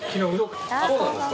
そうなんです